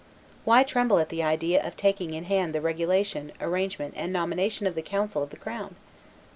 Why tremble at the idea of taking in hand the regulation, arrangement, and nomination of the council of the crown?